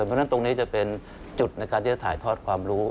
เพราะฉะนั้นตรงนี้จะเป็นจุดในการที่จะถ่ายทอดความรู้